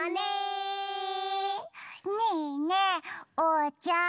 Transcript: ねえねえおうちゃん。